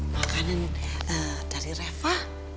makanan ee dari reva